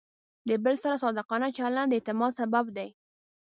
د بل سره صادقانه چلند د اعتماد سبب دی.